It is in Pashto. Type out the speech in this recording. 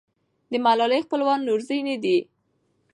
د ملالۍ خپلوان نورزي نه دي.